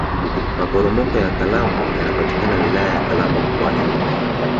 maporomoko ya kalambo yanapatikana wilaya ya kalambo mkoani rukwa